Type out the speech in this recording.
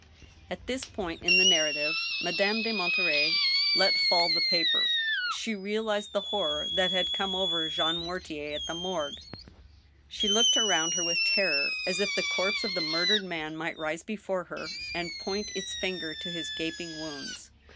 ..." At this point in the narrative Madame de Monterey let fall the paper. She realized the horror that had come over Jean Mortier at the morgue. She looked around her with terror, as if the corpse of the mur dered man might rise before her, and point its finger to his gaping wounds.